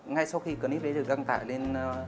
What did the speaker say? ngay sau khi clip đấy được đăng tải lên